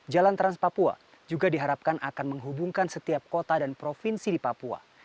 jalan trans papua juga diharapkan akan menghubungkan setiap kota dan provinsi di papua